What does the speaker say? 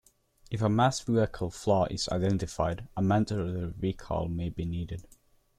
If a mass vehicle flaw is identified, a mandatory recall may be needed.